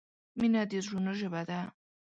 مینه د زړونو ژبه ده.